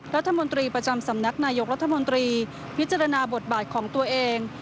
รัฐมนตรีประจำสำนักนายกรัฐมนตรีพิจารณาบทบาทของตัวเอง